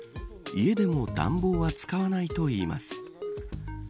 家でも暖房は使わないといいます。